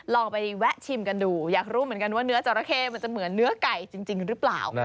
ลองไปแวะชิมกันดูอยากรู้เหมือนกันว่าเนื้อจราเข้มันจะเหมือนเนื้อไก่จริงหรือเปล่า